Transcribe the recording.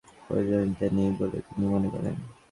এখনো সেই নিয়ম ধরে রাখার প্রয়োজনীয়তা নেই বলেই তিনি মনে করেন।